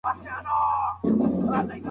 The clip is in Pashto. تعليم د هر وګړي ضرورت دی.